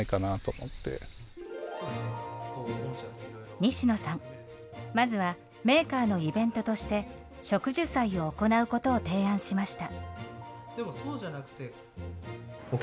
西野さん、まずはメーカーのイベントとして、植樹祭を行うことを提案しました。